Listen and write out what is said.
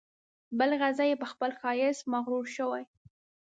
بل غزل یې په خپل ښایست مغرور شوی.